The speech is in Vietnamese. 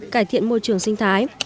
cải thiện môi trường sinh thái